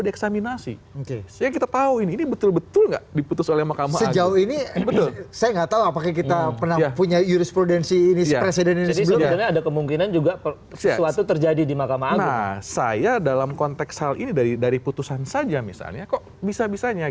dikeluarkan di ruang publik sehingga perdebatannya